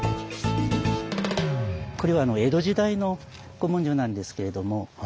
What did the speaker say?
これは江戸時代の古文書なんですけれども。